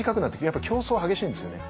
やっぱ競争が激しいんですよね。